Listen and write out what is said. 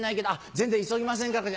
「全然急ぎませんから」。